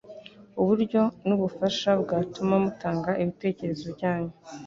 uburyo n'ubufasha bwatuma mutanga ibitekerezo byanyu.